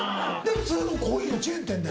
普通のコーヒーのチェーン店で？